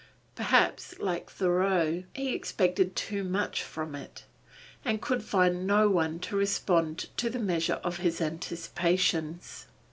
Perhaps, like Thoreau, he expected too much from it, and could find no one to respond to the measure of his anticipations.